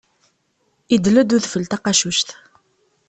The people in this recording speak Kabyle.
Idel-d udfel taqacuct.